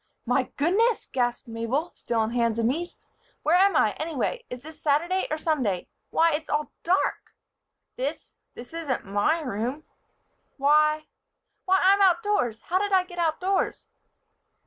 "My goodness!" gasped Mabel, still on hands and knees. "Where am I, anyway? Is this Saturday or Sunday? Why! It's all dark. This this isn't my room why! why! I'm outdoors! How did I get outdoors?"